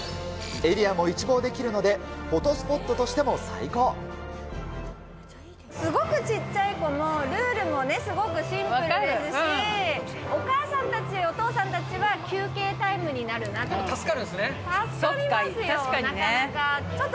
エリアも一望できるので、すごくちっちゃい子も、ルールもね、すごくシンプルですし、お母さんたち、お父さんたちは、休憩タイムになるなと。